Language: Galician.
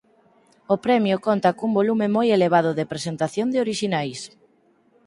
O premio conta cun volume moi elevado de presentación de orixinais.